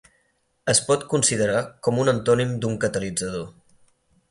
Es pot considerar com un antònim d'un catalitzador.